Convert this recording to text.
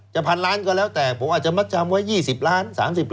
จะ๑๐๐๐ล้านก็แล้วแต่ผมก็จะมัดจำไว้๒๐๓๐ล้าน